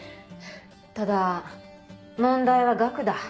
ただ問題は額だ。